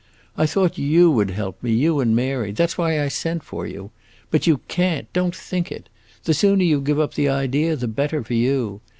I thought you would help me, you and Mary; that 's why I sent for you. But you can't, don't think it! The sooner you give up the idea the better for you.